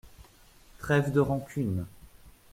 Trêve de rancunes.